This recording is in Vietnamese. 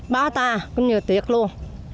báo ta cũng nhiều tiệc luôn